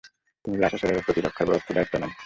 তিনি লাসা শহরের প্রতিরক্ষা ব্যবস্থার দায়িত্ব নেন।